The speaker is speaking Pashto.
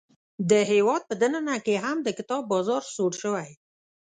د هیواد په دننه کې هم د کتاب بازار سوړ شوی.